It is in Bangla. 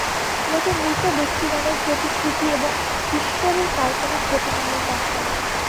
লোকে মৃত ব্যক্তিগণের প্রতিকৃতি এবং ঈশ্বরের কাল্পনিক প্রতিমা নির্মাণ করে।